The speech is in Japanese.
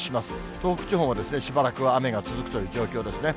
東北地方もしばらくは雨が続くという状況ですね。